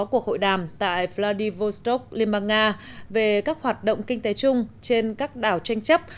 cuộc hội đàm tại vladivostok liên bang nga về các hoạt động kinh tế chung trên các đảo tranh chấp